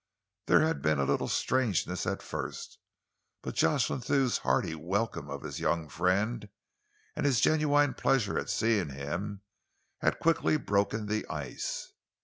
There had been a little strangeness at first, but Jocelyn Thew's hearty welcome of his young friend, and his genuine pleasure at seeing him, had quickly broken the ice.